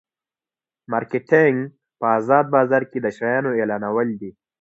مارکیټینګ په ازاد بازار کې د شیانو اعلانول دي.